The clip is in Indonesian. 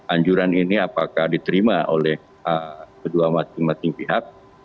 anjuran ini apakah diterima oleh kedua masing masing pihak